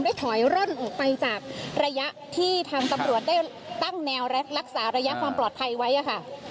ถอยร่นออกไปจากระยะที่ทางตำรวจได้ตั้งแนวรักษาระยะความปลอดภัยไว้ค่ะ